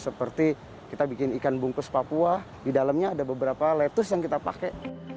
seperti kita bikin ikan bungkus papua di dalamnya ada beberapa lettuce yang kita pakai